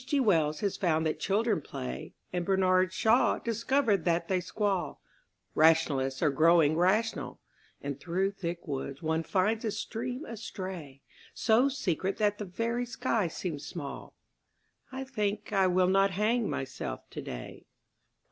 G. Wells has found that children play, And Bernard Shaw discovered that they squall; Rationalists are growing rational And through thick woods one finds a stream astray, So secret that the very sky seems small I think I will not hang myself today.